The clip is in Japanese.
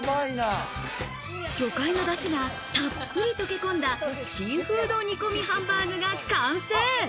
魚介のダシがたっぷり溶け込んだ、シーフード煮込みハンバーグが完成。